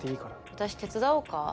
私手伝おうか？